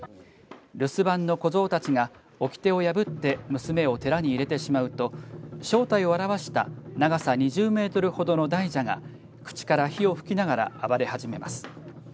留守番の小僧たちが掟を破って娘を寺に入れてしまうと正体を現した長さ２０メートルほどの大蛇が口から火を吹きながら暴れはじめます。